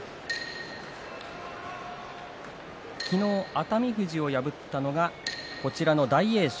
昨日、熱海富士を破ったのがこちらの大栄翔。